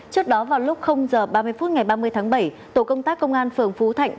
trước đó vào lúc h ba mươi phút ngày ba mươi tháng bảy tổ công tác công an phường phú thạnh